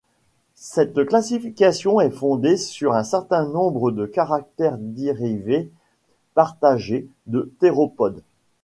Cette classification est fondée sur un certain nombre de caractères dérivés partagés des théropodes.